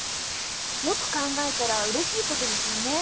よく考えたらうれしいことですよね。